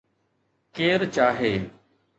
ڪير چاهي